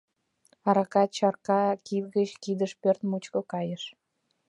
Арака чарка кид гыч кидыш пӧрт мучко кайыш...